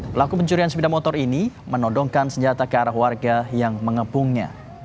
pelaku pencurian sepeda motor ini menodongkan senjata ke arah warga yang mengepungnya